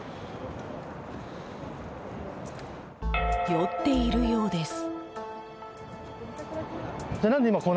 酔っているようです。